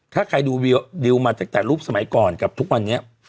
ถ้าใครดูดิวมาตั้งแต่รูปสมัยก่อนกับทุกวันนี้